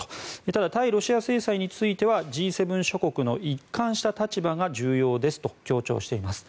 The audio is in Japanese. ただ、ロシア制裁についてはＧ７諸国の一貫した立場が重要ですと強調しました。